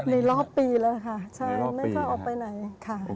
รอบปีแล้วค่ะใช่ไม่กล้าออกไปไหนค่ะ